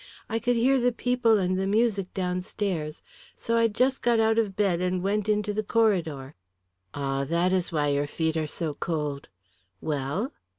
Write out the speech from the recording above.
I could hear the people and the music downstairs, so I just got out of bed and went into the corridor." "Ah, that is why your feet are so cold. Well?"